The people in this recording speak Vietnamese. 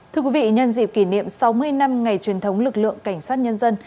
thưa quý vị nhân dịp kỷ niệm sáu mươi năm ngày truyền thống lực lượng cảnh sát nhân dân